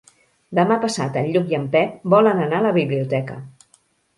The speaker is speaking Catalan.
Demà passat en Lluc i en Pep volen anar a la biblioteca.